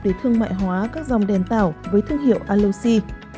để thương mại hóa các dòng đèn tạo với thương hiệu aloxi